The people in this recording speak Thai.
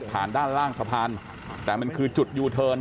ด้านล่างสะพานแต่มันคือจุดยูเทิร์น